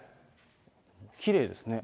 きれいですね。